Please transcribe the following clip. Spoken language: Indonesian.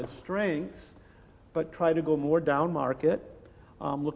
ini membangun kekuatan mereka tapi mencoba untuk lebih menurun pasar